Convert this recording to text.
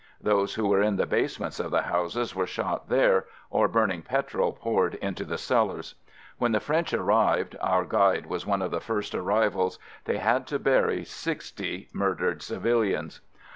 Those who were in the basements of the houses were shot there, or burning petrol poured into the cellars. When the French arrived (our guide was one of the first arrivals) , they had to bury sixty mur dered civilians.